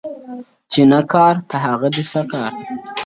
چي نه کار، په هغه دي څه کار.